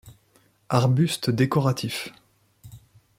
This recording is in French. Arbuste décoratif.